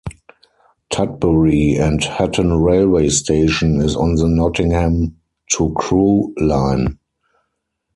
Tutbury and Hatton railway station is on the Nottingham to Crewe line.